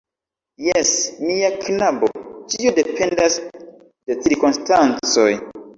Jes, mia knabo; ĉio dependas de cirkonstancoj.